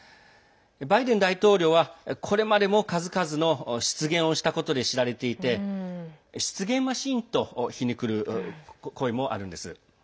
バイデン大統領はこれまでも数々の失言をしたことで知られていて失言マシーンと皮肉る声もあるんです。